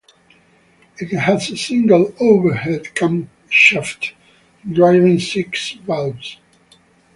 It has a single overhead camshaft driving six valves.